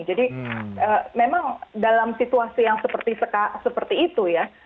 jadi memang dalam situasi yang seperti itu ya